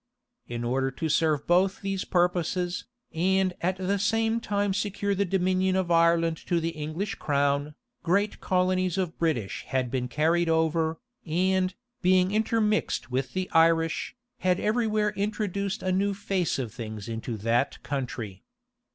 In order to serve both these purposes, and at the same time secure the dominion of Ireland to the English crown, great colonies of British had been carried over, and, being intermixed with the Irish, had every where introduced a new face of things into that country.